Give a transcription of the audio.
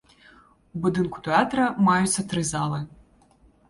У будынку тэатра маюцца тры залы.